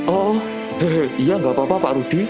oh iya gak apa apa pak rudy